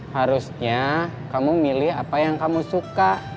harusnya kamu milih apa yang kamu suka